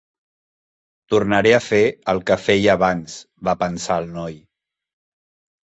"Tornaré a fer el que feia abans", va pensar el noi.